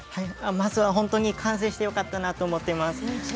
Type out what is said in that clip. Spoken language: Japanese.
まずは本当に完成してよかったなと思っています。